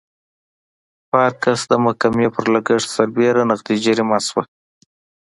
پارکس د محکمې پر لګښت سربېره نغدي جریمه شوه.